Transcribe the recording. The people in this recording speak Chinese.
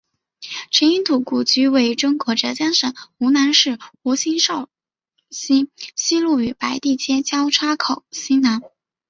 陈英士故居位于中国浙江省湖州市吴兴区苕溪西路与白地街交叉口西南。